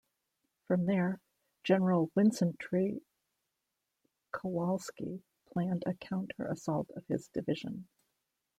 From there, General Wincenty Kowalski planned a counter-assault of his division.